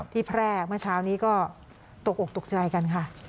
แพร่เมื่อเช้านี้ก็ตกอกตกใจกันค่ะ